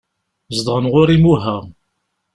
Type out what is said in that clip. Zedɣen ɣur Imuha.